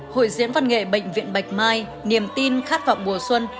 hội diễn văn nghệ bệnh viện bạch mai niềm tin khát vọng mùa xuân